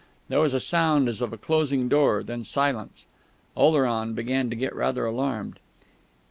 There was a sound as of a closing door, and then silence. Oleron began to get rather alarmed.